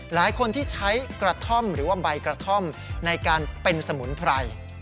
หลายคนที่ใช้กระท่อมหรือว่าใบกระท่อมในการเป็นสมุนไพร